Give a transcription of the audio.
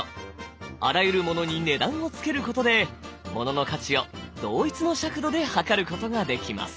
あらゆるものに値段をつけることでものの価値を同一の尺度ではかることができます。